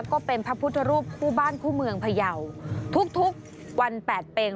ก็เป็นพระพุทธรูปคู่บ้านคู่เมืองพยาวทุกทุกวันแปดเป็ง